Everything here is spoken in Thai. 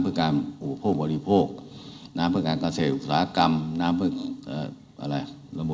เรายังว่ารายงานทุกอาทิตย์เหรอครับ